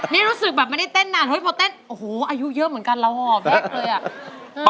นี่รู้สึกแบบไม่ได้เต้นนานเฮ้ยพอเต้นโอ้โหอายุเยอะเหมือนกันเราห่อแบ็คเลยอ่ะ